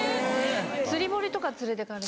釣り堀とか連れてかれて。